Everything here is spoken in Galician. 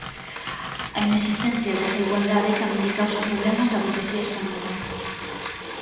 A inexistencia desa igualdade tamén lle causa problemas á burguesía española.